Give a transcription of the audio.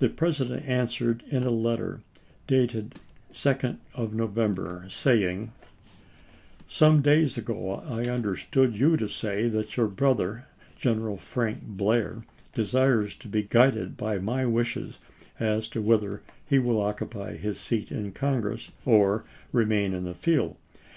The President answered in a letter, 1863« dated 2d of November, saying : Some days ago I understood you to say that your brother, General Frank Blair, desires to he guided by my wishes as to whether he will occupy his seat in Congress or remain in the field.